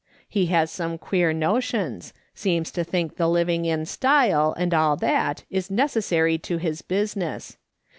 He has some queer notions ; seems to think the living in style, and all that, is necessary to his business.